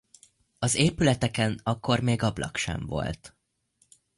Az épületeken akkor még ablak sem volt.